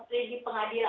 pledge yang terhadapnya